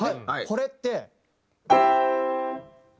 これって。